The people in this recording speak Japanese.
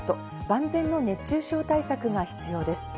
万全の熱中症対策が必要です。